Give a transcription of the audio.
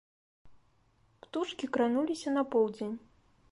Птушкі крануліся на поўдзень.